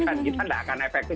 dan kita tidak akan efektif juga